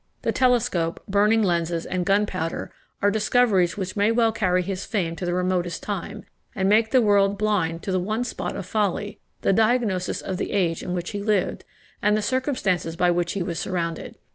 The telescope, burning glasses, and gunpowder, are discoveries which may well carry his fame to the remotest time, and make the world blind to the one spot of folly the diagnosis of the age in which he lived, and the circumstances by which he was surrounded.